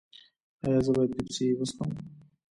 ایا زه باید پیپسي وڅښم؟